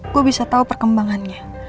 gue bisa tahu perkembangannya